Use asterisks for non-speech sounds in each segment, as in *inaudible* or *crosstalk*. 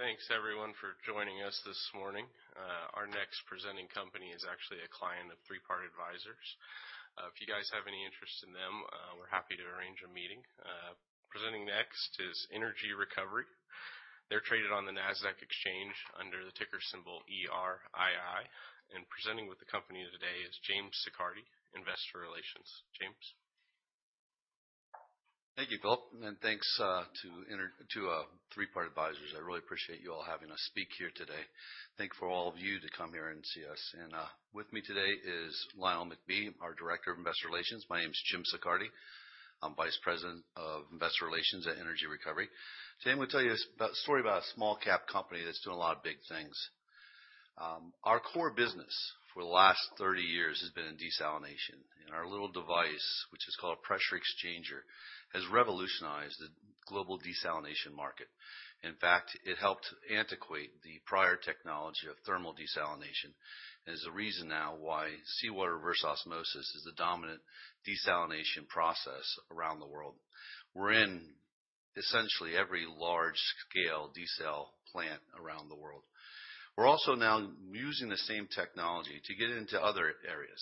Thanks everyone for joining us this morning. Our next presenting company is actually a client of Three Part Advisors. If you guys have any interest in them, we're happy to arrange a meeting. Presenting next is Energy Recovery. They're traded on the Nasdaq Exchange under the ticker symbol ERII. Presenting with the company today is James Siccardi, Investor Relations. James. Thank you, Bill, and thanks to Three Part Advisors. I really appreciate you all having us speak here today. Thanks to all of you for coming here to see us. With me today is Lionel McBee, our Director of Investor Relations. My name is James Siccardi. I'm Vice President of Investor Relations at Energy Recovery. Today I'm gonna tell you about this story about a small cap company that's doing a lot of big things. Our core business for the last 30 years has been in desalination. Our little device, which is called Pressure Exchanger, has revolutionized the global desalination market. In fact, it helped antiquate the prior technology of thermal desalination, and is the reason now why seawater reverse osmosis is the dominant desalination process around the world. We're in essentially every large-scale desal plant around the world. We're also now using the same technology to get into other areas.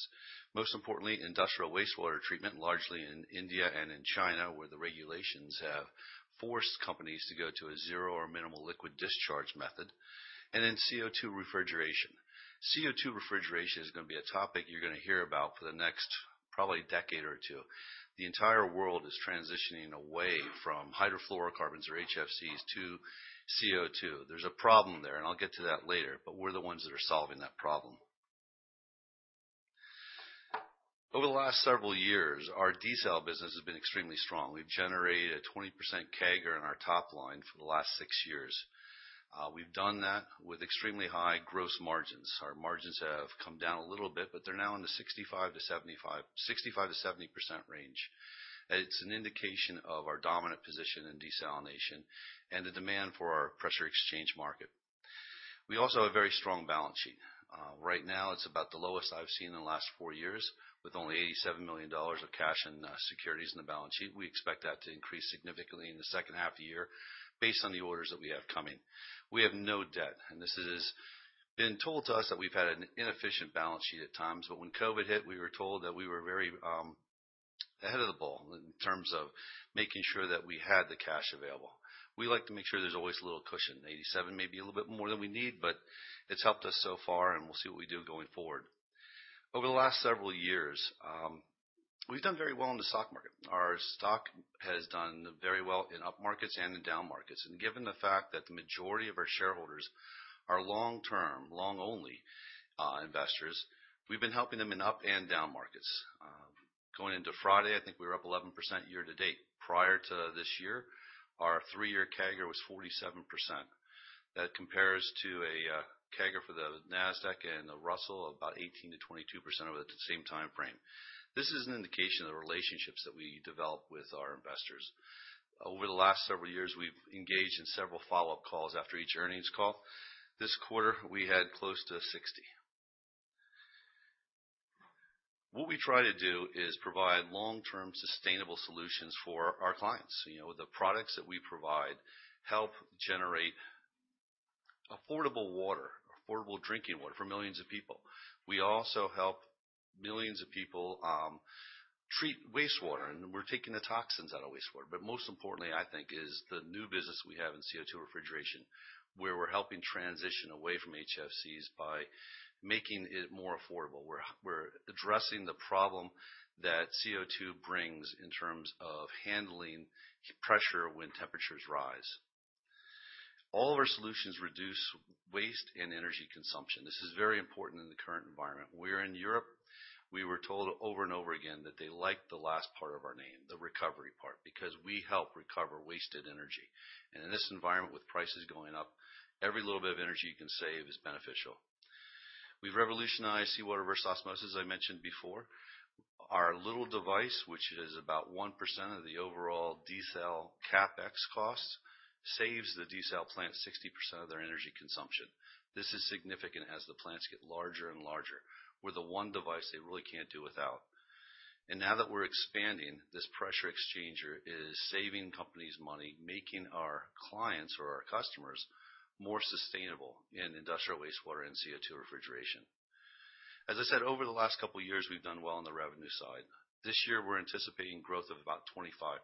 Most importantly, industrial wastewater treatment, largely in India and in China, where the regulations have forced companies to go to a zero or minimal liquid discharge method. CO2 refrigeration. CO2 refrigeration is gonna be a topic you're gonna hear about for the next probably decade or two. The entire world is transitioning away from hydrofluorocarbons or HFCs to CO2. There's a problem there, and I'll get to that later, but we're the ones that are solving that problem. Over the last several years, our desal business has been extremely strong. We've generated a 20% CAGR in our top line for the last six years. We've done that with extremely high gross margins. Our margins have come down a little bit, but they're now in the 65-75, 65-70% range. It's an indication of our dominant position in desalination and the demand for our pressure exchange market. We also have a very strong balance sheet. Right now it's about the lowest I've seen in the last four years, with only $87 million of cash and securities in the balance sheet. We expect that to increase significantly in the second half of the year based on the orders that we have coming. We have no debt, and this has been told to us that we've had an inefficient balance sheet at times. When COVID hit, we were told that we were very ahead of the ball in terms of making sure that we had the cash available. We like to make sure there's always a little cushion. 87 may be a little bit more than we need, but it's helped us so far, and we'll see what we do going forward. Over the last several years, we've done very well in the stock market. Our stock has done very well in up markets and in down markets. Given the fact that the majority of our shareholders are long-term, long only, investors, we've been helping them in up and down markets. Going into Friday, I think we were up 11% year to date. Prior to this year, our three-year CAGR was 47%. That compares to a CAGR for the Nasdaq and the Russell of about 18%-22% over the same timeframe. This is an indication of the relationships that we develop with our investors. Over the last several years, we've engaged in several follow-up calls after each earnings call. This quarter, we had close to 60. What we try to do is provide long-term sustainable solutions for our clients. You know, the products that we provide help generate affordable water, affordable drinking water for millions of people. We also help millions of people treat wastewater, and we're taking the toxins out of wastewater. Most importantly, I think, is the new business we have in CO2 refrigeration, where we're helping transition away from HFCs by making it more affordable. We're addressing the problem that CO2 brings in terms of handling pressure when temperatures rise. All of our solutions reduce waste and energy consumption. This is very important in the current environment. We're in Europe, we were told over and over again that they like the last part of our name, the recovery part, because we help recover wasted energy. In this environment, with prices going up, every little bit of energy you can save is beneficial. We've revolutionized seawater reverse osmosis, as I mentioned before. Our little device, which is about 1% of the overall desal CapEx costs, saves the desal plant 60% of their energy consumption. This is significant as the plants get larger and larger. We're the one device they really can't do without. Now that we're expanding, this Pressure Exchanger is saving companies money, making our clients or our customers more sustainable in industrial wastewater and CO2 refrigeration. As I said, over the last couple years we've done well on the revenue side. This year we're anticipating growth of about 25%.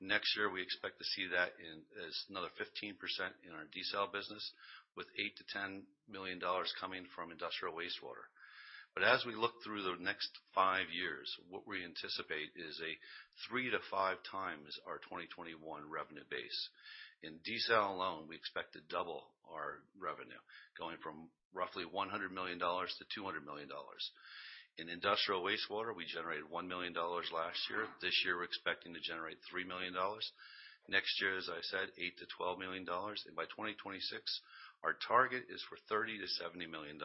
Next year we expect to see that in, as another 15% in our desal business, with $8 million-$10 million coming from industrial wastewater. As we look through the next five years, what we anticipate is a 3-5 times our 2021 revenue base. In desal alone, we expect to double our revenue, going from roughly $100 million to $200 million. In industrial wastewater, we generated $1 million last year. This year we're expecting to generate $3 million. Next year, as I said, $8-$12 million. By 2026, our target is for $30-$70 million.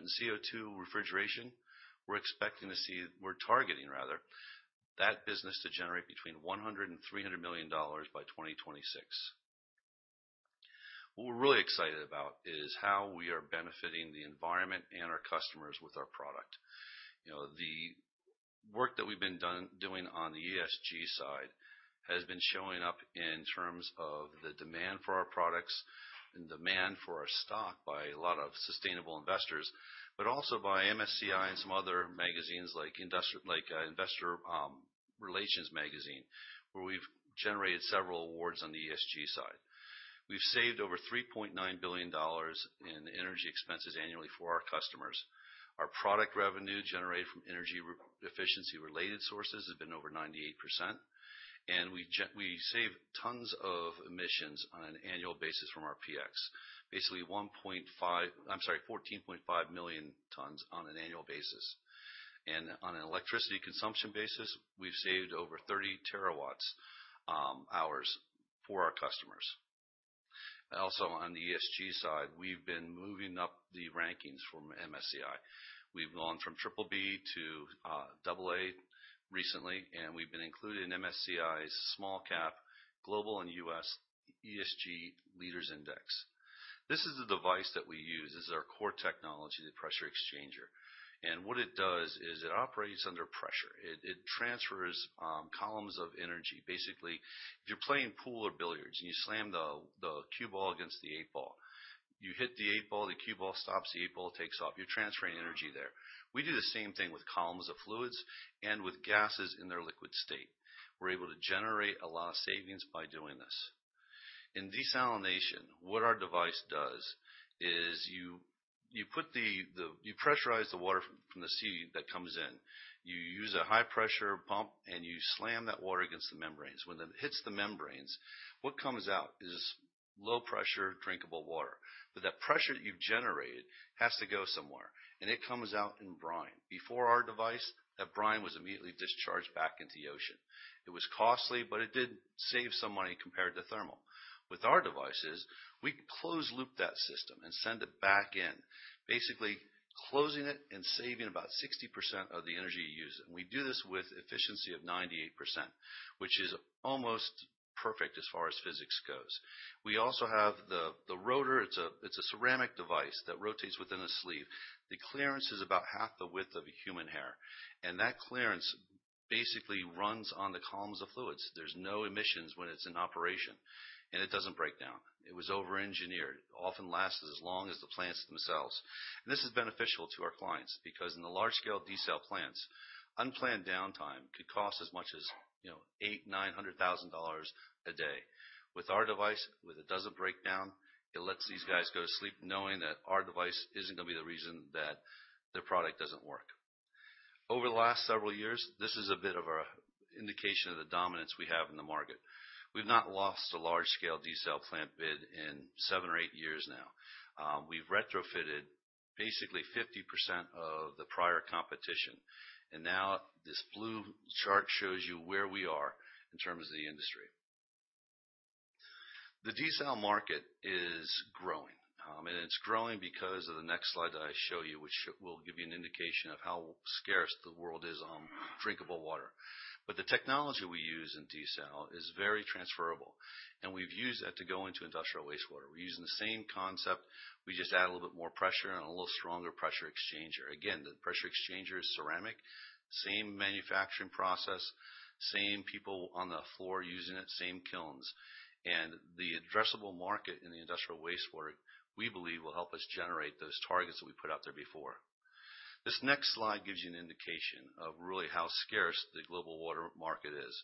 In CO2 refrigeration, we're expecting to see, we're targeting rather, that business to generate between $100-$300 million by 2026. What we're really excited about is how we are benefiting the environment and our customers with our product. You know, the work that we've been doing on the ESG side has been showing up in terms of the demand for our products and demand for our stock by a lot of sustainable investors, but also by MSCI and some other magazines like Investor Relations Magazine, where we've generated several awards on the ESG side. We've saved over $3.9 billion in energy expenses annually for our customers. Our product revenue generated from energy efficiency-related sources has been over 98%, and we save tons of emissions on an annual basis from our PX. Basically 14.5 million tons on an annual basis. On an electricity consumption basis, we've saved over 30 terawatt-hours for our customers. Also, on the ESG side, we've been moving up the rankings from MSCI. We've gone from triple B to double A recently, and we've been included in MSCI's Small Cap Global & US ESG Leaders Index. This is the device that we use. This is our core technology, the Pressure Exchanger. What it does is it operates under pressure. It transfers columns of energy. Basically, if you're playing pool or billiards and you slam the cue ball against the eight ball, you hit the eight ball, the cue ball stops, the eight ball takes off. You're transferring energy there. We do the same thing with columns of fluids and with gases in their liquid state. We're able to generate a lot of savings by doing this. In desalination, what our device does is you pressurize the water from the sea that comes in. You use a high pressure pump and you slam that water against the membranes. When that hits the membranes, what comes out is low pressure drinkable water. That pressure you've generated has to go somewhere, and it comes out in brine. Before our device, that brine was immediately discharged back into the ocean. It was costly, but it did save some money compared to thermal. With our devices, we closed loop that system and send it back in. Basically closing it and saving about 60% of the energy you're using. We do this with efficiency of 98%, which is almost perfect as far as physics goes. We also have the rotor. It's a ceramic device that rotates within a sleeve. The clearance is about half the width of a human hair, and that clearance basically runs on the columns of fluids. There's no emissions when it's in operation, and it doesn't break down. It was over-engineered. Often lasts as long as the plants themselves. This is beneficial to our clients because in the large-scale desal plants, unplanned downtime could cost as much as, you know, $800,000-$900,000 a day. With our device, when it doesn't break down, it lets these guys go to sleep knowing that our device isn't gonna be the reason that their product doesn't work. Over the last several years, this is an indication of the dominance we have in the market. We've not lost a large-scale desal plant bid in 7 or 8 years now. We've retrofitted basically 50% of the prior competition, and now this blue chart shows you where we are in terms of the industry. The desal market is growing, and it's growing because of the next slide that I show you, which will give you an indication of how scarce the world is on drinkable water. The technology we use in desal is very transferable, and we've used that to go into industrial wastewater. We're using the same concept, we just add a little bit more pressure and a little stronger Pressure Exchanger. Again, the Pressure Exchanger is ceramic, same manufacturing process, same people on the floor using it, same kilns. The addressable market in the industrial wastewater, we believe will help us generate those targets that we put out there before. This next slide gives you an indication of really how scarce the global water market is.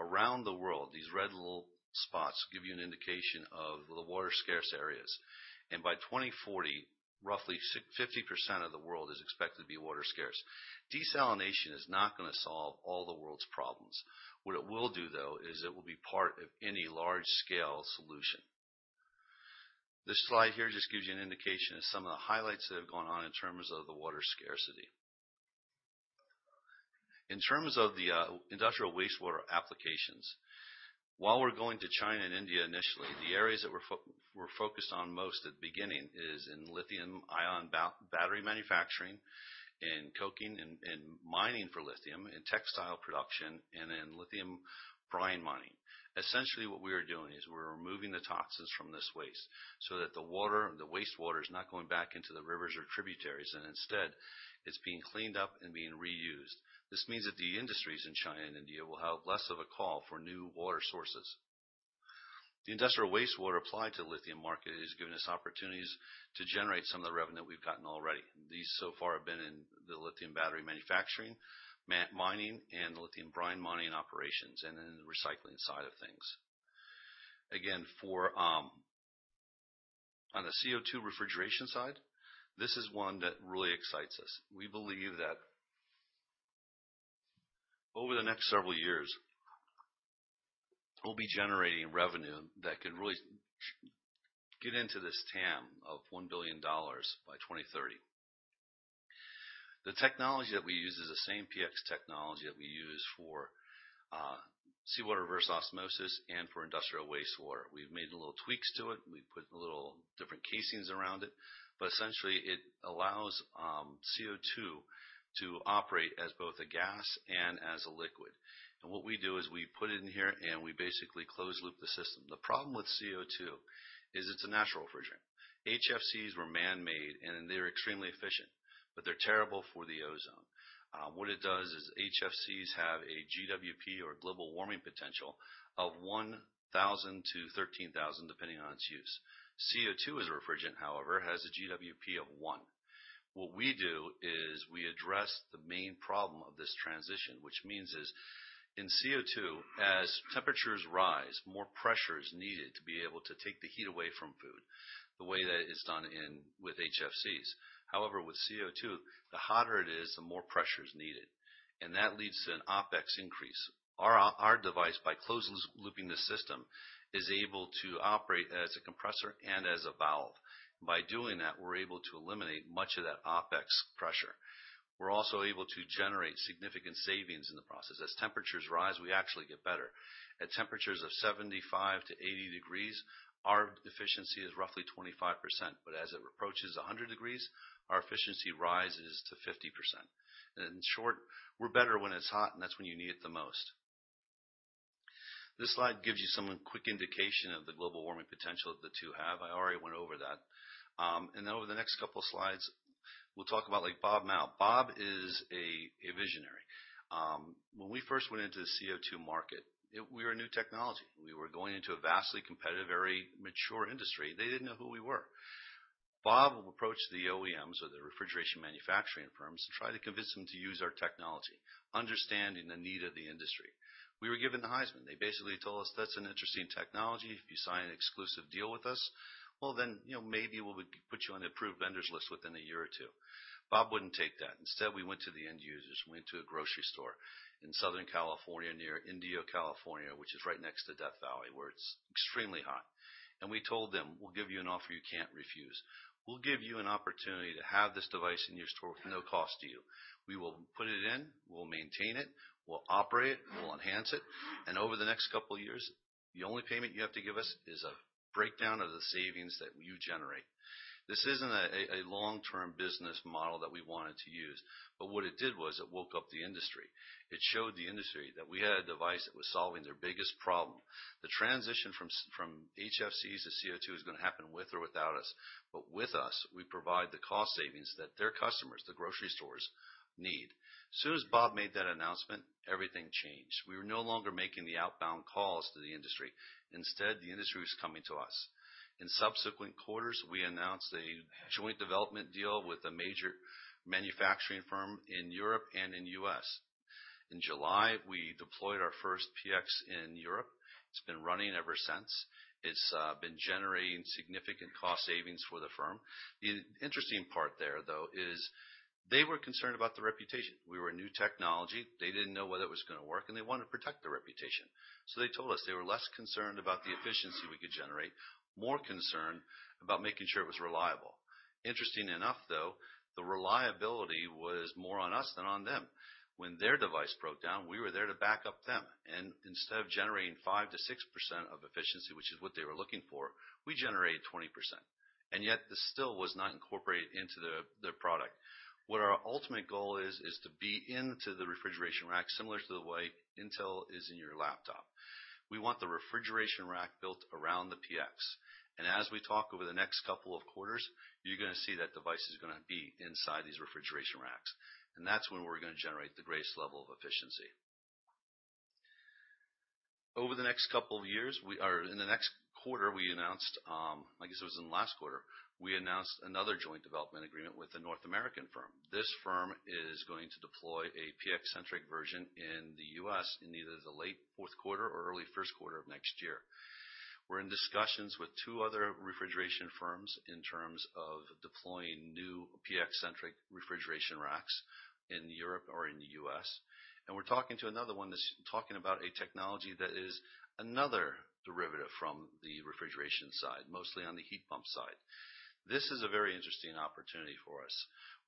Around the world, these red little spots give you an indication of the water scarce areas, and by 2040, roughly 50% of the world is expected to be water scarce. Desalination is not gonna solve all the world's problems. What it will do, though, is it will be part of any large scale solution. This slide here just gives you an indication of some of the highlights that have gone on in terms of the water scarcity. In terms of the industrial wastewater applications, while we're going to China and India initially, the areas that we're focused on most at the beginning is in lithium ion battery manufacturing, in coking, in mining for lithium, in textile production, and in lithium brine mining. Essentially what we are doing is we're removing the toxins from this waste so that the water, the wastewater is not going back into the rivers or tributaries, and instead it's being cleaned up and being reused. This means that the industries in China and India will have less of a call for new water sources. The industrial wastewater applied to lithium market has given us opportunities to generate some of the revenue we've gotten already. These so far have been in the lithium battery manufacturing, mining and the lithium brine mining operations, and in the recycling side of things. Again, for on the CO2 refrigeration side, this is one that really excites us. We believe that over the next several years, we'll be generating revenue that could really get into this TAM of $1 billion by 2030. The technology that we use is the same PX technology that we use for seawater reverse osmosis and for industrial wastewater. We've made little tweaks to it. We put a little different casings around it. Essentially it allows CO2 to operate as both a gas and as a liquid. What we do is we put it in here, and we basically close loop the system. The problem with CO2 is it's a natural refrigerant. HFCs were man-made, and they're extremely efficient, but they're terrible for the ozone. What it does is HFCs have a GWP or global warming potential of 1,000-13,000, depending on its use. CO2 as a refrigerant, however, has a GWP of 1. What we do is we address the main problem of this transition. Which means, in CO2, as temperatures rise, more pressure is needed to be able to take the heat away from food, the way that it's done with HFCs. However, with CO2, the hotter it is, the more pressure is needed, and that leads to an OpEx increase. Our device by closed-looping the system is able to operate as a compressor and as a valve. By doing that, we're able to eliminate much of that OpEx pressure. We're also able to generate significant savings in the process. As temperatures rise, we actually get better. At temperatures of 75-80 degrees, our efficiency is roughly 25%, but as it approaches 100 degrees, our efficiency rises to 50%. In short, we're better when it's hot, and that's when you need it the most. This slide gives you some quick indication of the global warming potential that the two have. I already went over that. Over the next couple slides, we'll talk about like Bob Mao. Bob is a visionary. When we first went into the CO2 market, we were a new technology. We were going into a vastly competitive, very mature industry. They didn't know who we were. Bob approached the OEMs or the refrigeration manufacturing firms to try to convince them to use our technology, understanding the need of the industry. We were given the Heisman. They basically told us, "That's an interesting technology. If you sign an exclusive deal with us, well, then, you know, maybe we'll put you on approved vendors list within a year or two." Bob wouldn't take that. Instead, we went to the end users. We went to a grocery store in Southern California, near Indio, California, which is right next to Death Valley, where it's extremely hot. We told them, "We'll give you an offer you can't refuse. We'll give you an opportunity to have this device in your store for no cost to you. We will put it in, we'll maintain it, we'll operate, we'll enhance it. And over the next couple of years, the only payment you have to give us is a breakdown of the savings that you generate." This isn't a long-term business model that we wanted to use, but what it did was it woke up the industry. It showed the industry that we had a device that was solving their biggest problem. The transition from HFCs to CO2 is gonna happen with or without us. With us, we provide the cost savings that their customers, the grocery stores, need. As soon as Bob made that announcement, everything changed. We were no longer making the outbound calls to the industry. Instead, the industry was coming to us. In subsequent quarters, we announced a joint development deal with a major manufacturing firm in Europe and in U.S. In July, we deployed our first PX in Europe. It's been running ever since. It's been generating significant cost savings for the firm. Interesting part there, though, is they were concerned about the reputation. We were a new technology. They didn't know whether it was gonna work, and they wanted to protect their reputation. They told us they were less concerned about the efficiency we could generate, more concerned about making sure it was reliable. Interesting enough, though, the reliability was more on us than on them. When their device broke down, we were there to back them up. Instead of generating 5%-6% of efficiency, which is what they were looking for, we generated 20%. Yet this still was not incorporated into the product. What our ultimate goal is to be into the refrigeration rack, similar to the way Intel is in your laptop. We want the refrigeration rack built around the PX. As we talk over the next couple of quarters, you're gonna see that device is gonna be inside these refrigeration racks. That's when we're gonna generate the greatest level of efficiency. Over the next couple of years. In the next quarter, we announced, I guess it was in the last quarter. We announced another joint development agreement with a North American firm. This firm is going to deploy a PX-centric version in the U.S. in either the late fourth quarter or early first quarter of next year. We're in discussions with two other refrigeration firms in terms of deploying new PX-centric refrigeration racks in Europe or in the U.S. We're talking to another one that's talking about a technology that is another derivative from the refrigeration side, mostly on the heat pump side. This is a very interesting opportunity for us.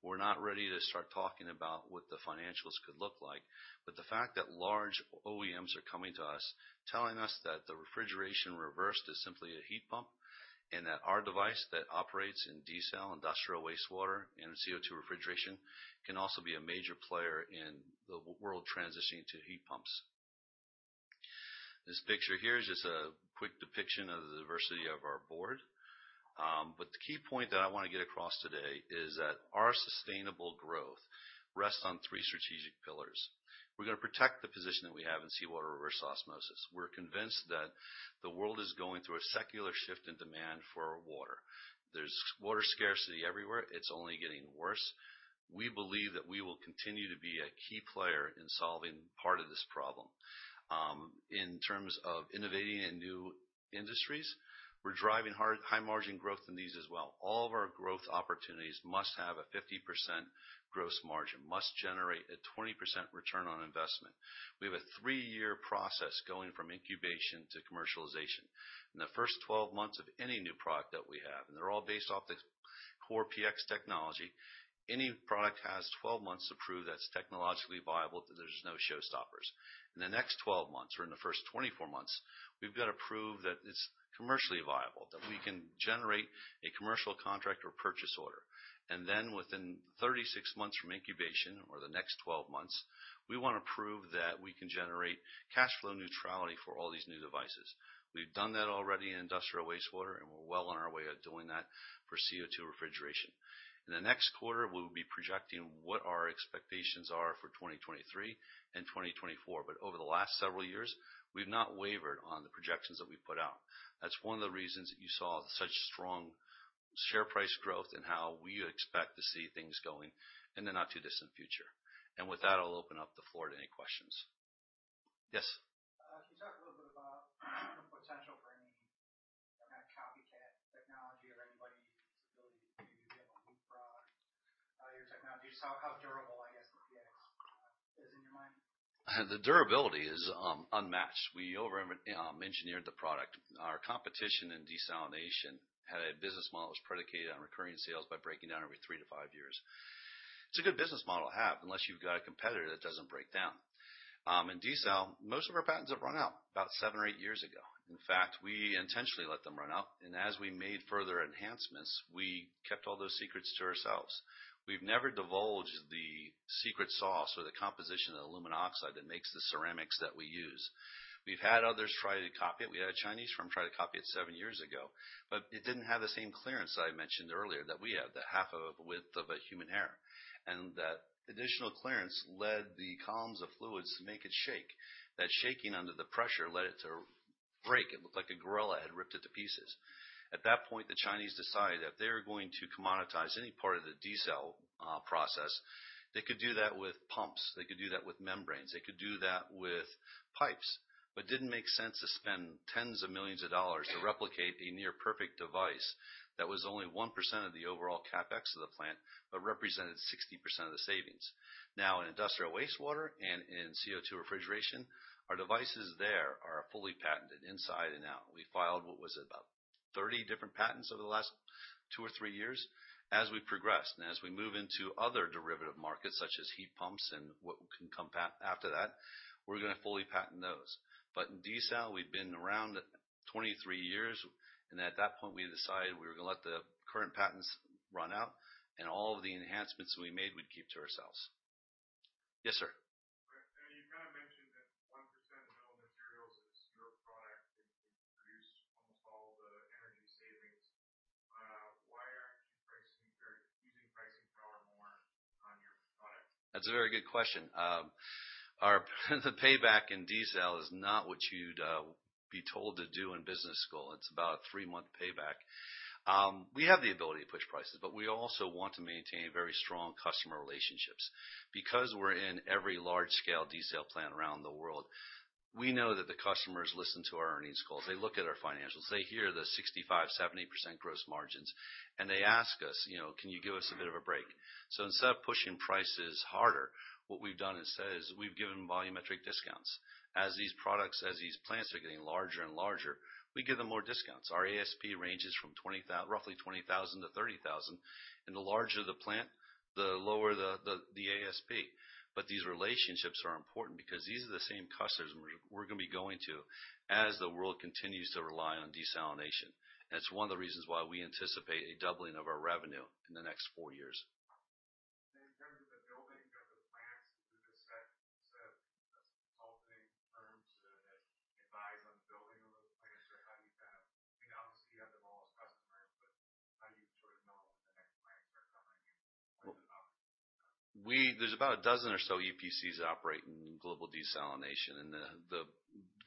We're not ready to start talking about what the financials could look like, but the fact that large OEMs are coming to us telling us that the reverse refrigeration is simply a heat pump, and that our device that operates in diesel, industrial wastewater, and CO2 refrigeration, can also be a major player in the world transitioning to heat pumps. This picture here is just a quick depiction of the diversity of our board. The key point that I wanna get across today is that our sustainable growth rests on three strategic pillars. We're gonna protect the position that we have in seawater reverse osmosis. We're convinced that the world is going through a secular shift in demand for water. There's water scarcity everywhere. It's only getting worse. We believe that we will continue to be a key player in solving part of this problem. In terms of innovating in new industries, we're driving hard high margin growth in these as well. All of our growth opportunities must have a 50% gross margin, must generate a 20% return on investment. We have a 3-year process going from incubation to commercialization. In the first 12 months of any new product that we have, and they're all based off the core PX technology, any product has 12 months to prove that it's technologically viable, that there's no showstoppers. In the next 12 months or in the first 24 months, we've got to prove that it's commercially viable, that we can generate a commercial contract or purchase order. Within 36 months from incubation or the next 12 months, we wanna prove that we can generate cash flow neutrality for all these new devices. We've done that already in industrial wastewater, and we're well on our way of doing that for CO2 refrigeration. In the next quarter, we'll be projecting what our expectations are for 2023 and 2024. Over the last several years, we've not wavered on the projections that we put out. That's one of the reasons that you saw such strong share price growth and how we expect to see things going in the not-too-distant future. With that, I'll open up the floor to any questions. Yes. Can you talk a little bit about the potential for any kind of copycat technology or anybody's ability to be able to move from your technologies? How durable, I guess, the PX is in your mind? The durability is unmatched. We over engineered the product. Our competition in desalination had a business model that was predicated on recurring sales by breaking down every 3-5 years. It's a good business model to have unless you've got a competitor that doesn't break down. In desal, most of our patents have run out about 7 or 8 years ago. In fact, we intentionally let them run out, and as we made further enhancements, we kept all those secrets to ourselves. We've never divulged the secret sauce or the composition of the aluminum oxide that makes the ceramics that we use. We've had others try to copy it. We had a Chinese firm try to copy it 7 years ago, but it didn't have the same clearance that I mentioned earlier that we have, the half of a width of a human hair. That additional clearance led the columns of fluids to make it shake. That shaking under the pressure led it to break. It looked like a gorilla had ripped it to pieces. At that point, the Chinese decided if they were going to commoditize any part of the desal process, they could do that with pumps. They could do that with membranes. They could do that with pipes. But it didn't make sense to spend $10s of millions to replicate the near perfect device that was only 1% of the overall CapEx of the plant, but represented 60% of the savings. Now, in industrial wastewater and in CO2 refrigeration, our devices there are fully patented inside and out. We filed what was about 30 different patents over the last 2 or 3 years as we progressed. As we move into other derivative markets such as heat pumps and what can come after that, we're gonna fully patent those. In desal, we've been around 23 years, and at that point, we decided we were gonna let the current patents run out and all of the enhancements we made, we'd keep to ourselves. Yes, sir. You kinda mentioned that 1% of the bill of materials is your product, and it produce almost all the energy savings. *audio distortion* That's a very good question. The payback in desal is not what you'd be told to do in business school. It's about a three-month payback. We have the ability to push prices, but we also want to maintain very strong customer relationships. Because we're in every large-scale desal plant around the world, we know that the customers listen to our earnings calls. They look at our financials. They hear the 65%-70% gross margins, and they ask us, you know, "Can you give us a bit of a break?" Instead of pushing prices harder, what we've done instead is we've given volumetric discounts. As these products, as these plants are getting larger and larger, we give them more discounts. Our ASP ranges from roughly $20,000-$30,000. The larger the plant, the lower the ASP. These relationships are important because these are the same customers we're gonna be going to as the world continues to rely on desalination. It's one of the reasons why we anticipate a doubling of our revenue in the next four years. In terms of the building of the plants, do you just set consulting firms that advise on building those plants or how do you kinda, I mean, obviously, you have them all as customers, but how do you sort of know when the next plants are coming in? There's about 12 or so EPCs that operate in global desalination. The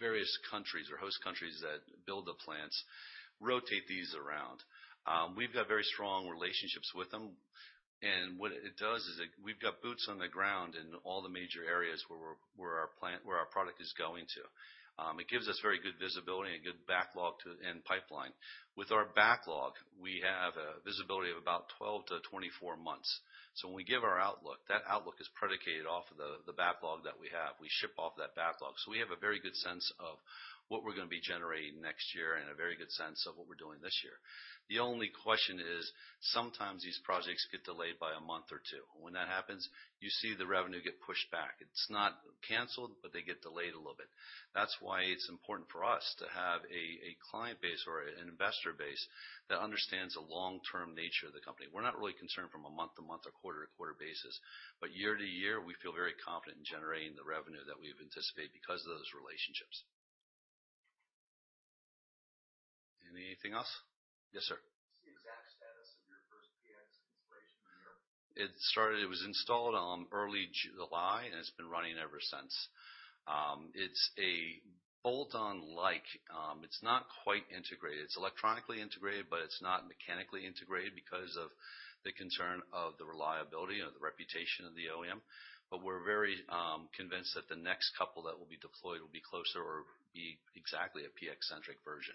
various countries or host countries that build the plants rotate these around. We've got very strong relationships with them. We've got boots on the ground in all the major areas where our product is going to. It gives us very good visibility and good backlog to the end pipeline. With our backlog, we have a visibility of about 12-24 months. When we give our outlook, that outlook is predicated off of the backlog that we have. We ship off that backlog. We have a very good sense of what we're gonna be generating next year and a very good sense of what we're doing this year. The only question is, sometimes these projects get delayed by a month or two. When that happens, you see the revenue get pushed back. It's not canceled, but they get delayed a little bit. That's why it's important for us to have a client base or an investor base that understands the long-term nature of the company. We're not really concerned from a month-to-month or quarter-to-quarter basis, but year to year, we feel very confident in generating the revenue that we've anticipated because of those relationships. Anything else? Yes, sir. What's the exact status of your first PX installation in Europe? It started. It was installed on early July, and it's been running ever since. It's a bolt-on like, it's not quite integrated. It's electronically integrated, but it's not mechanically integrated because of the concern of the reliability or the reputation of the OEM. But we're very convinced that the next couple that will be deployed will be closer or be exactly a PX-centric version.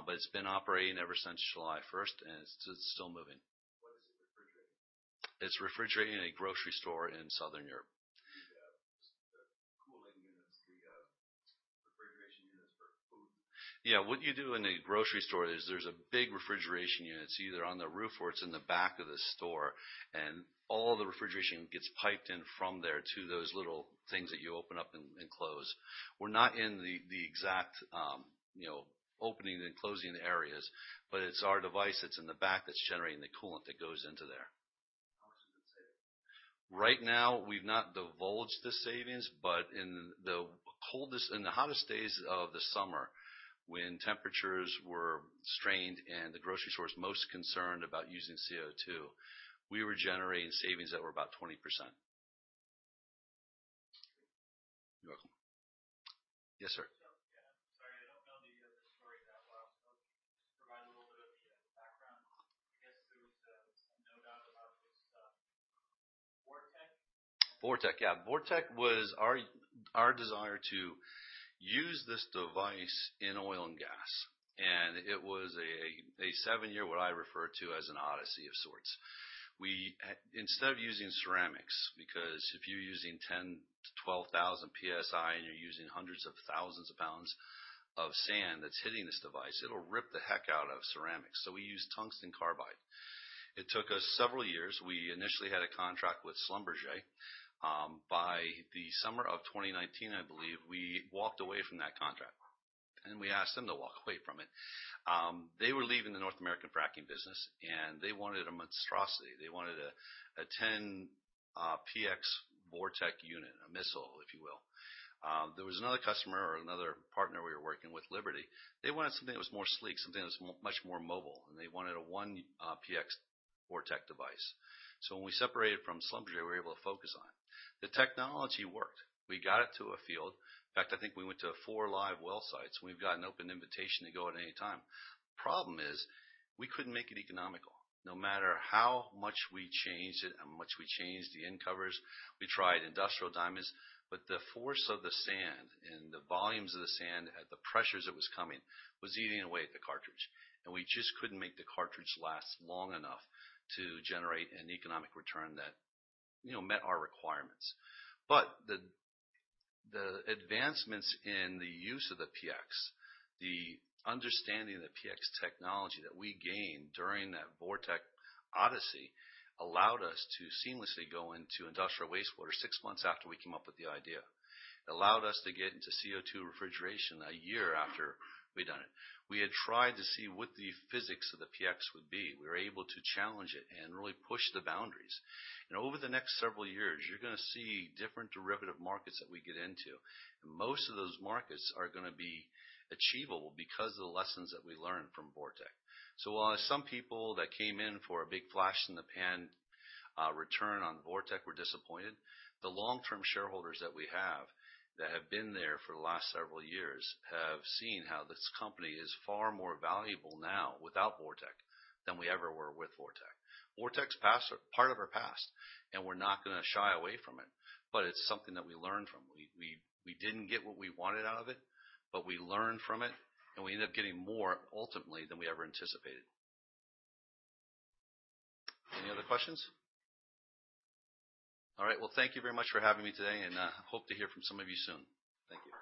But it's been operating ever since July first, and it's still moving. What is it refrigerating? It's refrigerating a grocery store in Southern Europe. *audio distortion* What you do in a grocery store is there's a big refrigeration unit. It's either on the roof or it's in the back of the store, and all the refrigeration gets piped in from there to those little things that you open up and close. We're not in the exact opening and closing areas, but it's our device that's in the back that's generating the coolant that goes into there. How much does it save? Right now, we've not divulged the savings, but in the hottest days of the summer, when temperatures were strained and the grocery store is most concerned about using CO2, we were generating savings that were about 20%. Great. You're welcome. Yes, sir. Yeah. Sorry, I don't know the story that well, so provide a little bit of the background. I guess there was some doubt about this, VorTeq? VorTeq, yeah. VorTeq was our desire to use this device in oil and gas. It was a 7-year, what I refer to as an odyssey of sorts. We instead of using ceramics, because if you're using 10-12,000 PSI and you're using hundreds of thousands of pounds of sand that's hitting this device, it'll rip the heck out of ceramics. We used tungsten carbide. It took us several years. We initially had a contract with Schlumberger. By the summer of 2019, I believe, we walked away from that contract, and we asked them to walk away from it. They were leaving the North American fracking business, and they wanted a monstrosity. They wanted a 10 PX VorTeq unit, a missile, if you will. There was another customer or another partner we were working with, Liberty. They wanted something that was more sleek, something that was much more mobile, and they wanted a 1 PX VorTeq device. When we separated from Schlumberger, we were able to focus on it. The technology worked. We got it to a field. In fact, I think we went to 4 live well sites, and we've got an open invitation to go at any time. Problem is, we couldn't make it economical. No matter how much we changed it and how much we changed the end covers. We tried industrial diamonds, but the force of the sand and the volumes of the sand at the pressures it was coming was eating away at the cartridge. We just couldn't make the cartridge last long enough to generate an economic return that, you know, met our requirements. The advancements in the use of the PX, the understanding of the PX technology that we gained during that VorTeq odyssey allowed us to seamlessly go into industrial wastewater six months after we came up with the idea. It allowed us to get into CO2 refrigeration a year after we'd done it. We had tried to see what the physics of the PX would be. We were able to challenge it and really push the boundaries. Over the next several years, you're gonna see different derivative markets that we get into. Most of those markets are gonna be achievable because of the lessons that we learned from VorTeq. While some people that came in for a big flash in the pan, return on VorTeq were disappointed, the long-term shareholders that we have that have been there for the last several years have seen how this company is far more valuable now without VorTeq than we ever were with VorTeq. VorTeq's past, part of our past, and we're not gonna shy away from it, but it's something that we learned from. We didn't get what we wanted out of it, but we learned from it, and we ended up getting more ultimately than we ever anticipated. Any other questions? All right. Well, thank you very much for having me today, and, hope to hear from some of you soon. Thank you.